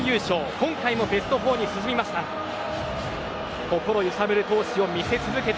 今回もベスト４に進みました。